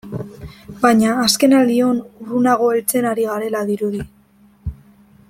Baina azkenaldion urrunago heltzen ari garela dirudi.